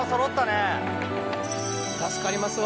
助かりますわ。